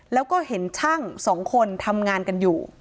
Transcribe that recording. แล้วก็เห็นช่างสองคนทำงานกันอยู่